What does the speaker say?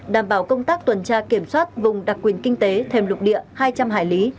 đảm bảo công tác tuần tra kiểm soát vùng đặc quyền kinh tế thêm lục địa hai trăm linh hải lý